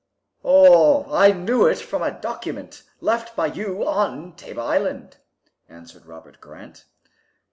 "I knew of it from a document left by you on Tabor Island," answered Robert Grant.